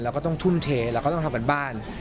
ก็ต้องทุ่มเทเราก็ต้องทำการบ้าน